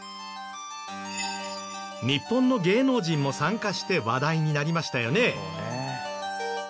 日本の芸能人も参加して話題になりましたよね。